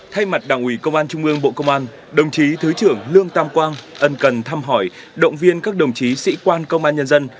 thay mặt đảng ủy công an trung ương bộ công an đồng chí thứ trưởng lương tam quang ẩn cần thăm hỏi động viên các đồng chí sĩ quan công an nhân dân